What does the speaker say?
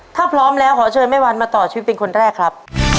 ถ้าพร้อมแล้วขอเชิญแม่วันมาต่อชีวิตเป็นคนแรกครับ